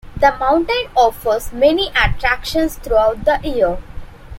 The mountain offers many attractions throughout the year.